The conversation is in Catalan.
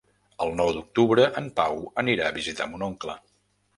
El nou d'octubre en Pau anirà a visitar mon oncle.